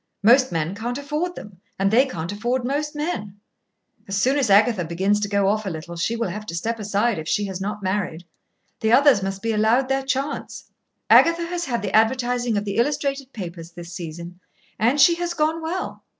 Most men can't afford them, and they can't afford most men. As soon as Agatha begins to go off a little, she will have to step aside, if she has not married. The others must be allowed their chance. Agatha has had the advertising of the illustrated papers this season, and she has gone well.